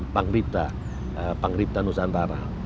pangripta pangripta nusantara